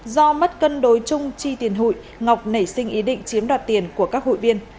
do mất cân đối chung chi tiền hụi ngọc nảy sinh ý định chiếm đoạt tiền của các hụi viên